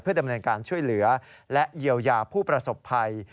ดำเนินการช่วยเหลือและเยียวยาผู้ประสบภัย